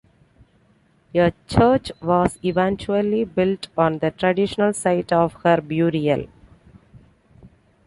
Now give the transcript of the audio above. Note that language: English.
A church was eventually built on the traditional site of her burial.